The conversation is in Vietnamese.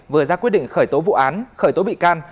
vừa ra quyết định khởi tố vụ án khởi tố bị can